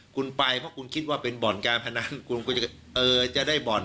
คุณไปเพราะคุณคิดว่าเป็นบ่อนการพนันคุณก็จะได้บ่อน